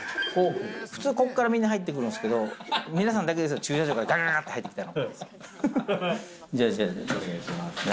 普通ここから、みんな入ってくるんですけど、皆さんだけですよ、駐車場からガタガタって入ってきたの。